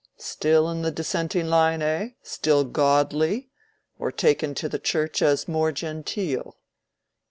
Still in the Dissenting line, eh? Still godly? Or taken to the Church as more genteel?"